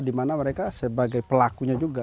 di mana mereka sebagai pelakunya juga